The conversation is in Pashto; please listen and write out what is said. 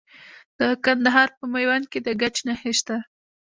د کندهار په میوند کې د ګچ نښې شته.